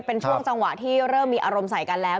เป็นช่วงจังหวะที่เริ่มมีอารมณ์ใส่กันแล้ว